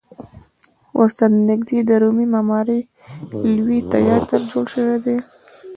ورسره نږدې د رومي معمارۍ لوی تیاتر جوړ شوی دی.